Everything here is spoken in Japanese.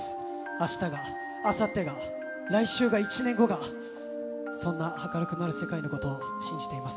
あしたが、あさってが、来週が、１年後が、そんな明るくなる世界のことを信じています。